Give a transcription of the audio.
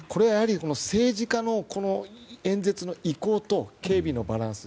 政治家の演説の意向と警備のバランス。